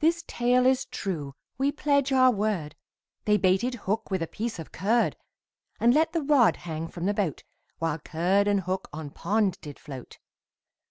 This tale is true we pledge our word, They baited hook with a piece of curd, And let the rod hang from the boat, While curd and hook on pond did float.